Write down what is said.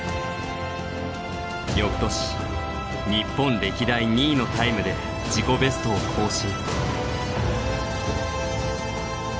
翌年日本歴代２位のタイムで自己ベストを更新。